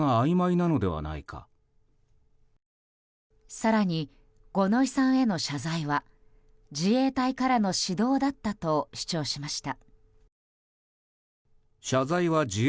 更に五ノ井さんへの謝罪は自衛隊からの指導だったと主張しました。